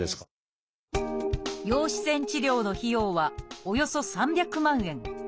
陽子線治療の費用はおよそ３００万円。